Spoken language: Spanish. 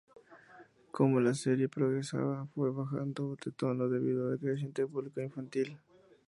Como la serie progresaba fue bajando de tono debido al creciente público infantil.